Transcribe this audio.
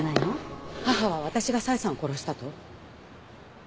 母は私が佐江さんを殺したと？